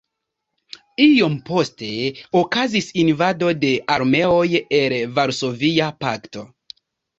Iom poste okazis invado de armeoj el Varsovia Pakto.